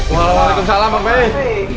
waalaikumsalam bang pi